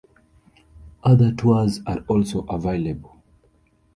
Other tours are also available.